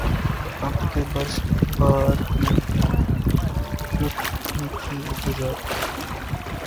اب کے برس بہار کی‘ رُت بھی تھی اِنتظار کی